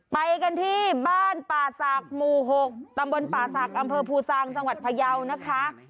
ไปกันที่บ้านป่าสากมูหกตำบลป่าสากอำเภอภูซางจังหวัดพยาวนะคะ